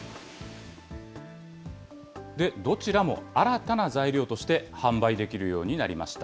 どちらも新たな材料として販売できるようになりました。